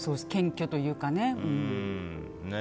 謙虚というかね。